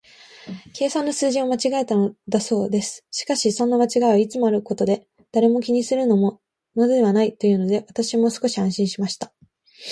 計算の数字を間違えたのだそうです。しかし、そんな間違いはいつもあることで、誰も気にするものはないというので、私も少し安心しました。